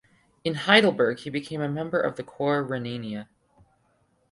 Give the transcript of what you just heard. In Heidelberg he became a member of the Corps Rhenania.